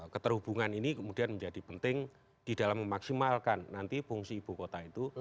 keterhubungan ini kemudian menjadi penting di dalam memaksimalkan nanti fungsi ibu kota itu